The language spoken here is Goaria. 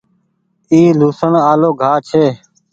اي لهوسڻ آلو گآه ڇي۔